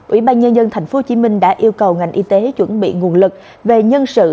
ủy ban nhân dân tp hcm đã yêu cầu ngành y tế chuẩn bị nguồn lực về nhân sự